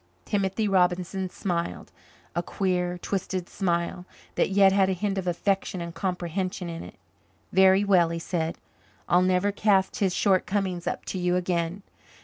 Timothy Robinson smiled a queer, twisted smile that yet had a hint of affection and comprehension in it. "Very well," he said. "I'll never cast his shortcomings up to you again.